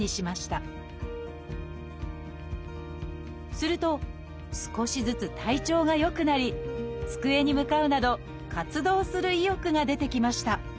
すると少しずつ体調が良くなり机に向かうなど活動する意欲が出てきました